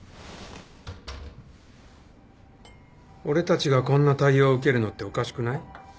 俺たちがこんな対応受けるのっておかしくない？